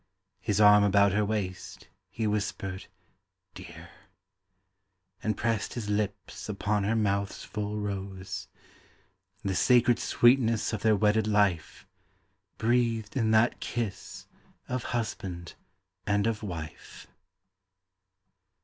His arm about her waist, he whispered "Dear," And pressed his lips upon her mouth's full rose— The sacred sweetness of their wedded life Breathed in that kiss of husband and of wife.